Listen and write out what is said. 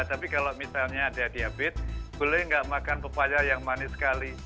tapi kalau misalnya ada diabetes boleh nggak makan pepaya yang manis sekali